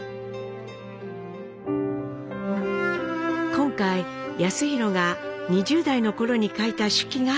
今回康宏が２０代の頃に書いた手記が見つかりました。